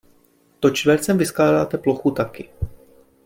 To čtvercem vyskládáte plochu taky.